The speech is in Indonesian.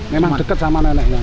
memang dekat sama neneknya